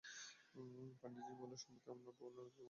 পান্ডে জী বললো, সম্পত্তি আপনার বউয়ের নামে, যিনি মারা গেছেন।